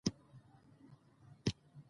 واوره د افغانانو په ژوند خورا ډېره اغېزه کوي.